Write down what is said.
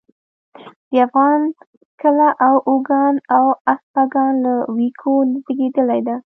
د افغان کله د اوگان او اسپاگان له ويوکو زېږېدلې ده